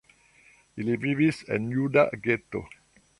Ili vivis en juda geto.